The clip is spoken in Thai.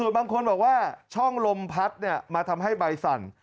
บางคนบอกว่าช่องลมพัดมาทำให้ใบสั่น